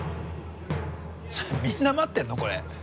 みんな待ってんの？